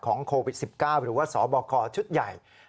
โควิด๑๙หรือว่าสบคชุดใหญ่